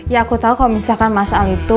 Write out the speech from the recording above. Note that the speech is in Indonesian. ya aku tahu kalau misalkan mas al itu